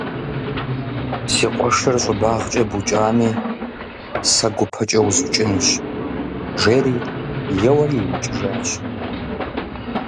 Си къуэшыр щӀыбагъкӀэ букӀами сэ гупэкӀэ узукӀынущ, жери, еуэри иукӀыжащ.